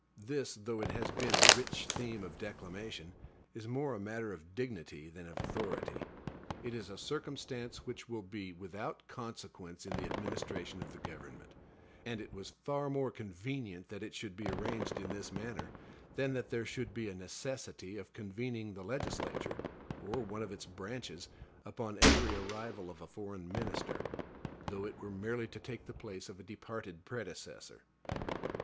This, though it has been a rich theme of declamation, is more a matter of dignity than of authority. It is a circumstance which will be without consequence in the administration of the government; and it was far more convenient that it should be arranged in this manner, than that there should be a necessity of convening the legislature, or one of its branches, upon every arrival of a foreign minister, though it were merely to take the place of a departed predecessor.